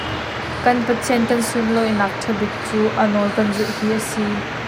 Kan Pathian kan sunhlawihnak ṭha bik cu A nawl kan zulh hi a si.